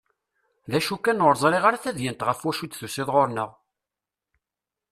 D acu kan ur ẓriɣ ara tadyant ɣef wacu i d-tusiḍ ɣur-nneɣ?